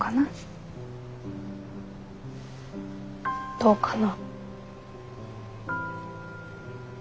どうかな。